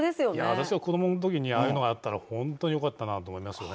私が子どものときに、ああいうのがあったら、本当によかったなと思いますよね。